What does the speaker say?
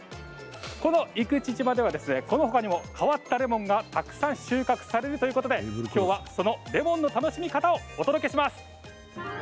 この生口島ではほかにも変わったレモンがたくさん収穫されるということできょうはそのレモンの楽しみ方をお届けします。